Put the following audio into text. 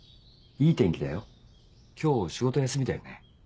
いい天気だよ今日仕事休みだよね？